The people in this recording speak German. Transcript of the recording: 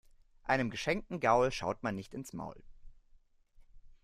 Einem geschenkten Gaul schaut man nicht ins Maul.